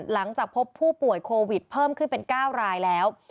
หลังจากพบผู้ป่วยโควิดเพิ่มขึ้นเป็น๙รายแล้ว